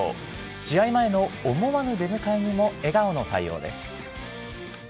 試合前の思わぬ出迎えにも笑顔の対応です。